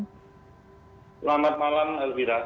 selamat malam elvira